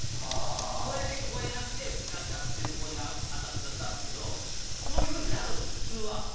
それで越えなくて、ぐしゃっと鉄棒に当たっちゃったんですけど、そういうふうになるんです、普通は。